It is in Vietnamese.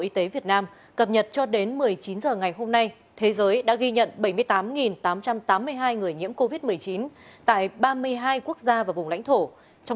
xin chào các bạn